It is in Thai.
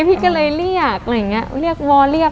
พี่ก็เลยเรียก